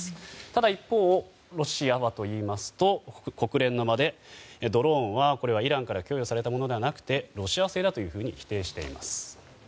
ただ一方、ロシアはといいますと国連の場で、ドローンはイランから供与されたものではなくてロシア製だと否定しています。